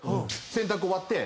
洗濯終わって。